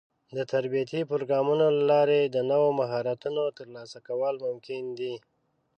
د تربيتي پروګرامونو له لارې د نوو مهارتونو ترلاسه کول ممکن دي.